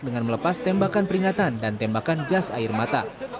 dengan melepas tembakan peringatan dan tembakan gas air mata